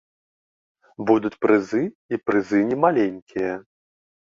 Будуць прызы, і прызы немаленькія.